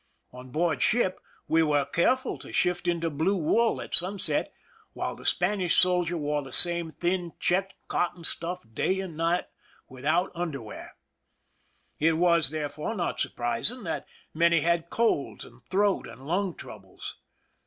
On board ship we were careful to shift into blue wool at sunset, while the Spanish soldier wore the same thin checked cotton stuff day and night, without underwear. It was, there fore, not surprising that many had colds and throat and lung troubles.